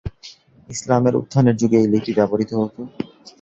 ইসলামের উত্থানের যুগে এই লিপি ব্যবহৃত হত।